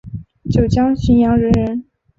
九江浔阳人人。